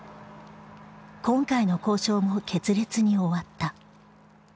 今回の交渉も決裂に終わった。